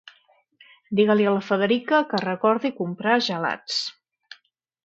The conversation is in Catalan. Digues-l'hi a la Federica que recordi comprar gelats.